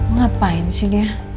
ngapain sih dia